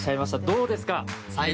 どうですか？